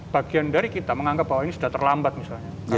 bagian dari kita menganggap bahwa ini sudah terlambat misalnya